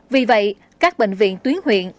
vì vậy các bệnh viện tuyến huyện